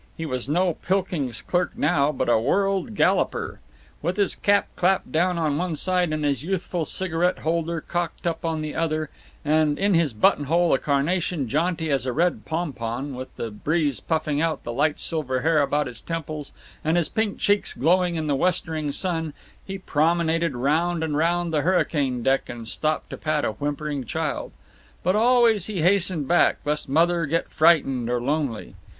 He was no Pilkings clerk now, but a world galloper. With his cap clapped down on one side and his youthful cigarette holder cocked up on the other, and in his buttonhole a carnation jaunty as a red pompon, with the breeze puffing out the light silver hair about his temples and his pink cheeks glowing in the westering sun, he promenaded round and round the hurricane deck and stopped to pat a whimpering child. But always he hastened back, lest Mother get frightened or lonely.